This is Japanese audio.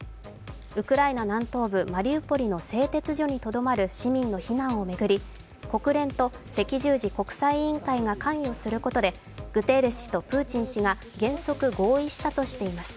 ウクライナ南東部マリウポリの製鉄所にとどまる市民の避難を巡り国連と赤十字国際委員会が関与することでグテーレス氏とプーチン氏が原則、合意したとしています。